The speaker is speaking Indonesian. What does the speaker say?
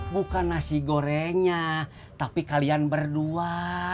bukan nasi gorengnya tapi kalian berdua